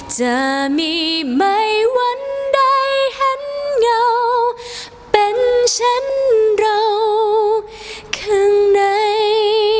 จะมีไม่วันใดเห็นเงาเป็นฉันเราข้างใน